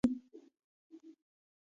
آیا چې پوهیدل پرې پکار نه دي؟